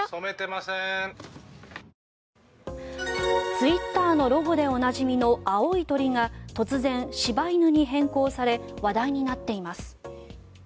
ツイッターのロゴでおなじみの青い鳥が突然、柴犬に変更され話題になっています。